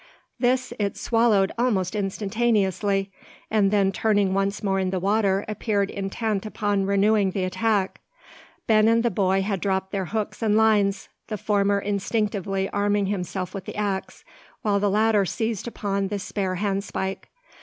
This it swallowed almost instantaneously; and then turning once more in the water appeared intent upon renewing the attack. Ben and the boy had dropped their hooks and lines, the former instinctively arming himself with the axe, while the latter seized upon the spare handspike.